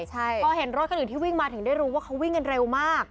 พอเห็นรถคนอื่นที่วิ่งมาถึงได้รู้ว่าเขาวิ่งกันเร็วมาก